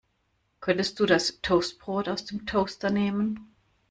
Könntest du das Toastbrot aus dem Toaster nehmen?